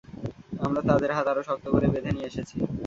আমরা তাদের হাত আরো শক্ত করে বেঁধে নিয়ে এসেছি।